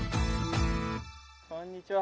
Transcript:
こんにちは。